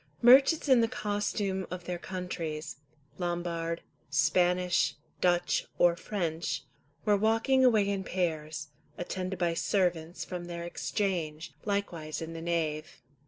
Merchants in the costume of their countries, Lombard, Spanish, Dutch, or French, were walking away in pairs, attended by servants, from their Exchange, likewise in the nave.